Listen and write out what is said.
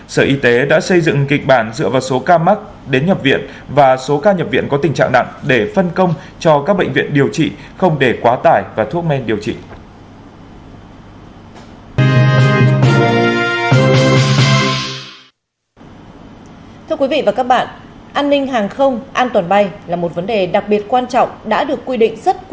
sở y tế đã xây dựng kịch bản dựa vào số ca mắc đến nhập viện và số ca nhập viện có tình trạng nặng để phân công cho các bệnh viện điều trị không để quá tải và thuốc men điều trị